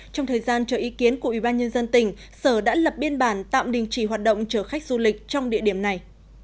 trong thời gian chờ ý kiến của ủy ban nhân dân tỉnh sở đã lập biên bản tạm đình chỉ hoạt động chở khách du lịch trong địa điểm này